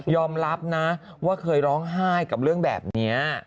รับนะว่าเคยร้องไห้กับเรื่องแบบนี้